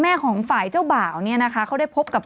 แม่ของฝ่ายเจ้าบ่าวเขาได้พบกับ